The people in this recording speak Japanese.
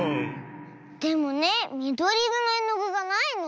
でもねみどりいろのえのぐがないの。